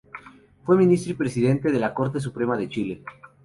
Fue ministro y presidente de la Corte Suprema de Chile.